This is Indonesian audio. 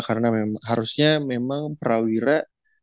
karena harusnya memang prawira